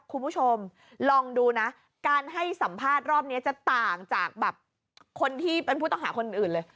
คุณผู้ชมลองดูนะการให้สัมภาษณ์รอบนี้จะต่างจากแบบคนที่เป็นผู้ต้องหาคนอื่นเลย